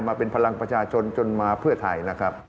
มาเป็นพลังประชาชนจนมาเพื่อไทยนะครับ